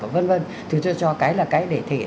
và v v thì tôi cho cái là cái để thể hiện